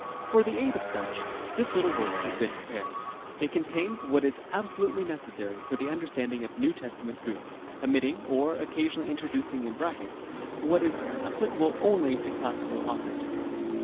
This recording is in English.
For the aid of such, this little work has been prepared. It contains what is abso lutely necessary for the understanding of New Testament Greek, omitting (or occasionally introducing in brackets) what is appli cable only to classical authors.